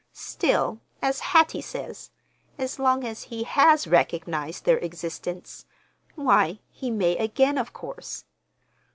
Still, as Hattie says, as long as he has recognized their existence, why, he may again of course.